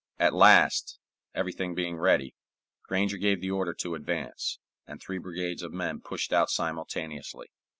At last, everything being ready, Granger gave the order to advance, and three brigades of men pushed out simultaneously.